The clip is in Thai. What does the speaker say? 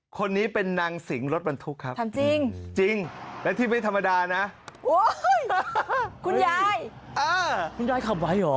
คนนี้เป็นนางสิงรถบรรทุกครับจริงและที่ไม่ธรรมดานะโอ้ยคุณยาย